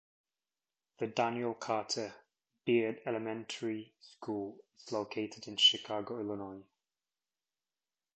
The Daniel Carter Beard Elementary School is located in Chicago, Illinois.